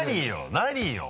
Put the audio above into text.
何よ？